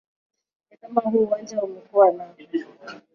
ni kama huu uwanja umekuwa naa